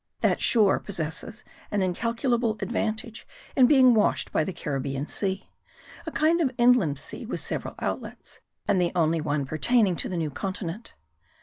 That shore possesses an incalculable advantage in being washed by the Caribbean Sea, a kind of inland sea with several outlets, and the only one pertaining to the New Continent.